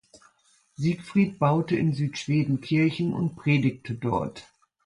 Siegfried baute in Südschweden Kirchen und predigte dort.